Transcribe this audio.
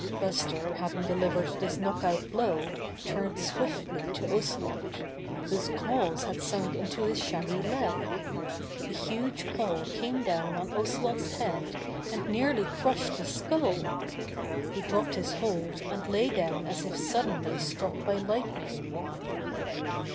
Buster having delivered this knock out blow turned swiftly to Ocelot, whose claws had sunk into his shaggy leg. The huge paw came down on Ocelot's head and nearly crushed the skull. He dropped his hold and lay down as if suddenly struck by lightning.